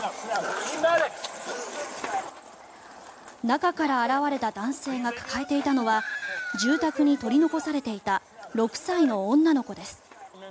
中から現れた男性が抱えていたのは住宅に取り残されていた６歳の女の子です。